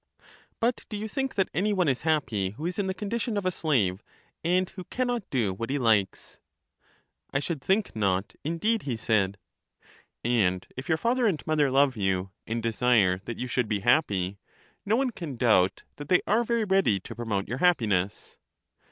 But do you think that any one is happy who is in the condition of a slave, and who can not do what he likes ? I should think not indeed, he said. And if your father and mother love you, and desire that you should be happy, no one can doubt that they are very ready to promote your happiness.